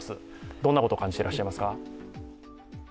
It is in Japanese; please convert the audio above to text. どんなことを感じていらっしゃいますか？